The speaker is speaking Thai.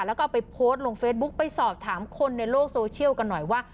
แล้วก็เอาไปโพสต์ลงเฟซบุ๊กไปสอบถามคนในโลกโซเชียลกันหน่อยว่า